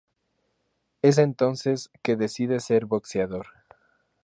Es entonces que decide ser boxeador.